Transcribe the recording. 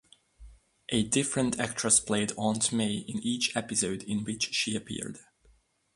A different actress played Aunt May in each episode in which she appeared.